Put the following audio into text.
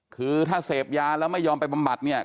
คือถ้าเสพยาแล้วไม่ยอมไปบำบัดเนี่ย